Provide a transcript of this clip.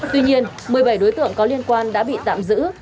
tuy nhiên một mươi bảy đối tượng có liên quan đã bị tạm giữ